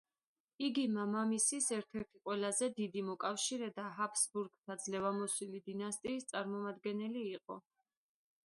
იგი მამამისის ერთ-ერთი ყველაზე დიდი მოკავშირე და ჰაბსბურგთა ძლევამოსილი დინასტიის წარმომადგენელი იყო.